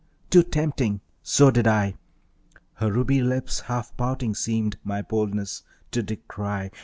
Too tempting; so did I. Her ruby lips, half pouting, seemed My boldness to decry.